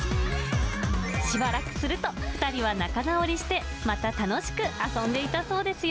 しばらくすると、２人は仲直りしてまた楽しく遊んでいたそうですよ。